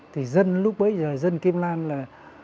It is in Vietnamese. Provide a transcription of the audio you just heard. thì dân lúc bấy giờ dân kim lan là